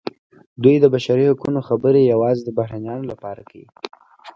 دوی د بشري حقونو خبرې یوازې د بهرنیانو لپاره کوي.